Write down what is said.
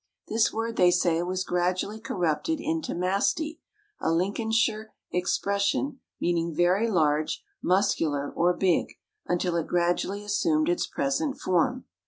This word, they say, was gradually corrupted into masty, a Lincolnshire expression, meaning very large, muscular, or big, until it gradually assumed its present form.